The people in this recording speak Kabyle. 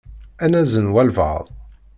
Ad nazen walebɛaḍ.